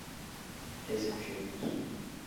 executivos